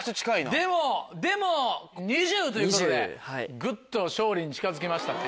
でもでも２０ということでぐっと勝利に近づきましたね。